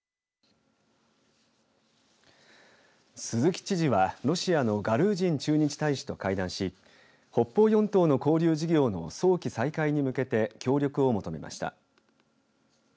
鈴木知事は、ロシアのガルージン駐日大使と会談し北方四島の交流事業の早期再開に向けて協力を求めました。